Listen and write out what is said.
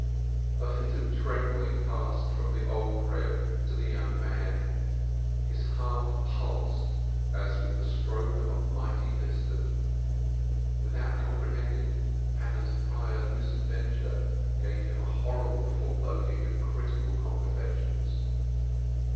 The fit of trembling passed from the old Reb to the young man. His heart pulsed as with the stroke of a mighty piston. Without comprehending, Hannah's prior misadventure gave him a horrible foreboding of critical complications.